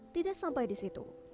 tidak sampai di situ